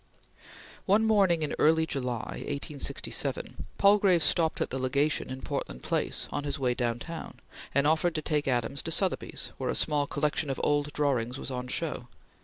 One morning in early July, 1867, Palgrave stopped at the Legation in Portland Place on his way downtown, and offered to take Adams to Sotheby's, where a small collection of old drawings was on show.